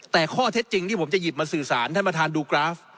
แต่ข้อเท็จจริงที่ผมจะหยิบมาสื่อสารท่านประธานดูกราฟ